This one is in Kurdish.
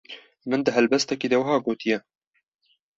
Min di helbestekî de wiha gotiye: